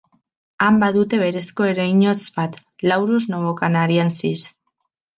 Han badute berezko ereinotz bat, Laurus novocanariensis.